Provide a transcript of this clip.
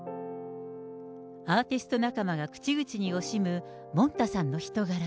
アーティスト仲間が口々に惜しむもんたさんの人柄。